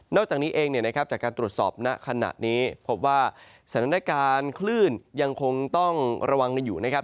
จากนี้เองจากการตรวจสอบณขณะนี้พบว่าสถานการณ์คลื่นยังคงต้องระวังกันอยู่นะครับ